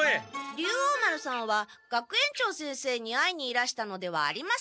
竜王丸さんは学園長先生に会いにいらしたのではありません。